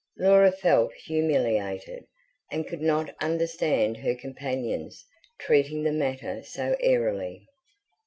Laura felt humiliated, and could not understand her companions treating the matter so airily.